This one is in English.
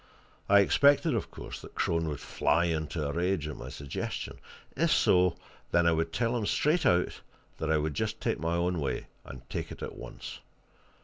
I expected, of course, that Crone would fly into a rage at my suggestion if so, then I would tell him, straight out, that I would just take my own way, and take it at once.